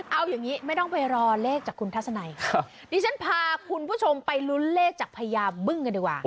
เอาอย่างนี้ไม่ต้องไปรอเลขจากคุณทัศนัยดิฉันพาคุณผู้ชมไปลุ้นเลขจากพญาบึ้งกันดีกว่า